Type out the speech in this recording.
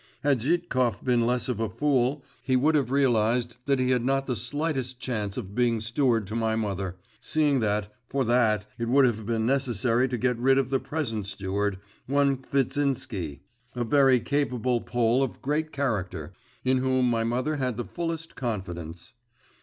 Had Zhitkov been less of a fool, he would have realised that he had not the slightest chance of being steward to my mother, seeing that, for that, it would have been necessary to get rid of the present steward, one Kvitsinsky, a very capable Pole of great character, in whom my mother had the fullest confidence.